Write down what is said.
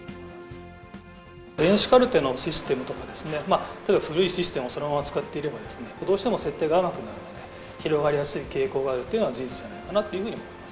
電子カルテのシステムとかですね、例えば古いシステムをそのまま使っていれば、どうしても設定が甘くなるので、広がりやすい傾向があるというのは事実じゃないかなというふうに思います。